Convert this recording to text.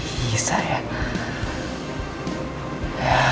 kok bisa ya